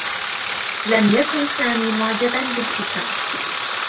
لم يكن سامي معجبا بالفكرة.